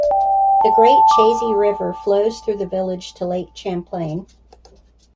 The Great Chazy River flows through the village to Lake Champlain.